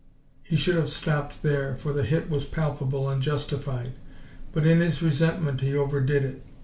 He should have stopped there, for the hit was palpable and justified; but in his resentment he overdid it.